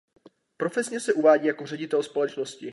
Profesně se uvádí jako ředitel společnosti.